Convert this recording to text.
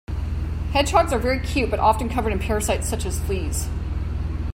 Hedgehogs are very cute but often covered in parasites such as fleas.